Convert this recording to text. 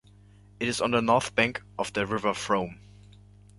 It is on the north bank of the River Frome.